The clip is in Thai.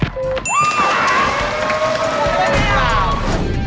หมาเห่าใบตองแห้งตอบ